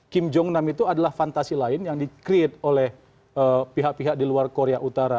kim jong nam itu adalah fantasi lain yang di create oleh pihak pihak di luar korea utara